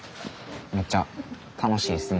めっちゃ楽しいですね。